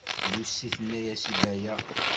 Lucy tenna-as i Baya.